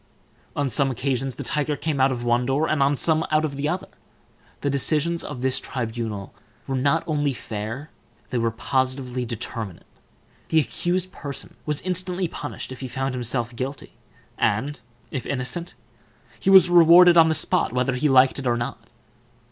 On some occasions the tiger came out of one door, and on some out of the other. The decisions of this tribunal were not only fair, they were positively determinate: the accused person was instantly punished if he found himself guilty, and, if innocent, he was rewarded on the spot, whether he liked it or not.